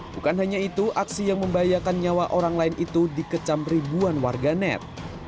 bukan hanya itu aksi yang membahayakan nyawa orang lain itu dikecam ribuan warganet